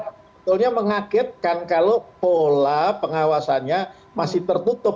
sebetulnya mengagetkan kalau pola pengawasannya masih tertutup